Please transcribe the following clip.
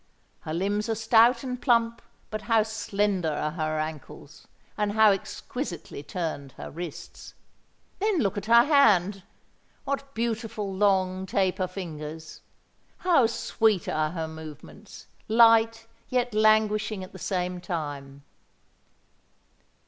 Her limbs are stout and plump; but how slender are her ankles, and how exquisitely turned her wrists! Then look at her hand. What beautiful, long taper fingers! How sweet are her movements—light, yet languishing at the same time!"